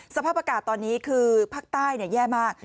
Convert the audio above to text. สภาพอากาศตอนนี้คือภาคใต้แย่มาก